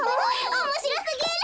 おもしろすぎる！